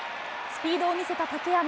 スピードを見せた竹山。